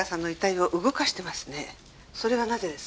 それはなぜですか？